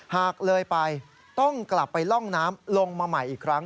หากเลยไปต้องกลับไปร่องน้ำลงมาใหม่อีกครั้ง